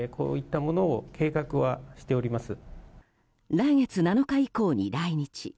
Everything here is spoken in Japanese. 来月７日以降に来日。